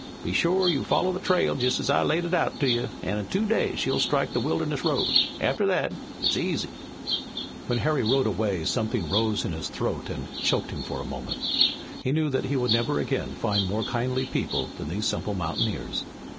Be shore you follow the trail jest as I laid it out to you an' in two days you'll strike the Wilderness Road. After that it's easy." When Harry rode away something rose in his throat and choked him for a moment. He knew that he would never again find more kindly people than these simple mountaineers.